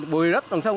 bồi lấp dòng sông